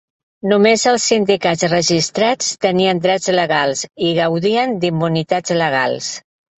Només els sindicats registrats tenien drets legals i gaudien d'immunitats legals.